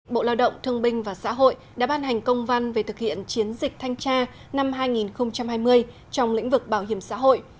bộ lao động thương binh và xã hội đã ban hành công văn về thực hiện chiến dịch thanh tra năm hai nghìn hai mươi trong lĩnh vực bảo hiểm xã hội